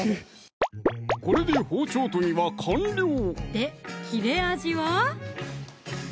これで包丁研ぎは完了で切れ味は？